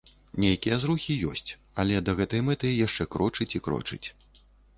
Нейкія зрухі ёсць, але да гэтай мэты яшчэ крочыць і крочыць.